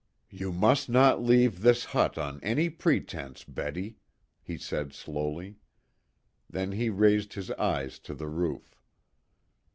"You must not leave this hut on any pretense, Betty," he said slowly. Then he raised his eyes to the roof.